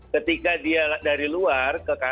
ketika dia dari luar